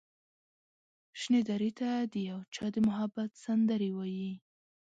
شنې درې ته د یو چا د محبت سندرې وايي